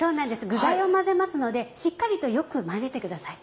具材を混ぜますのでしっかりとよく混ぜてください。